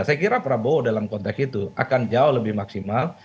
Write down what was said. saya kira prabowo dalam konteks itu akan jauh lebih maksimal